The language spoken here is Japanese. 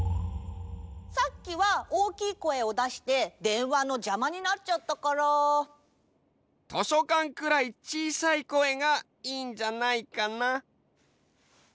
さっきは大きい声をだしてでんわのじゃまになっちゃったから。としょかんくらいちいさい声がいいんじゃないかな。